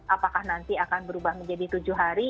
apakah nanti akan berubah menjadi tujuh hari